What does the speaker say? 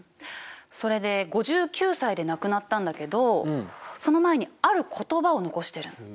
それで５９歳で亡くなったんだけどその前にある言葉を残してる。